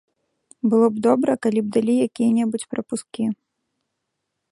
Было б добра, калі б далі якія-небудзь прапускі.